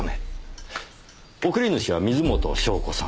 送り主は水元湘子さん。